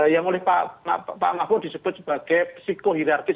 yang oleh pak mahfud disebut sebagai psikohirarkis